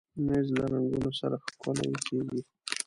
مېز له رنګونو سره ښکلی کېږي.